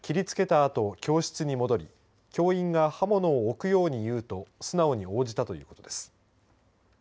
あと教室に戻り教員が刃物を置くように言うと素直に応じたということです。